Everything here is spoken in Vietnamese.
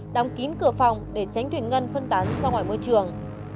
đóng kín cửa phòng để tránh thuyền ngân phân tán ra ngoài môi trường